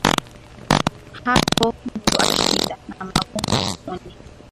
Hapo mtu atashinda, na magumu kumhuni